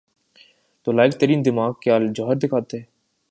تو لائق ترین دماغ کیا جوہر دکھاتے؟